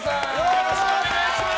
よろしくお願いします。